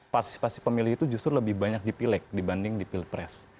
partisipasi pemilih itu justru lebih banyak di pilek dibanding di pilpres